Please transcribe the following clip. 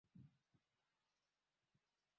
ni mchambuzi wa maswala ya kisiasa henry okoit omutata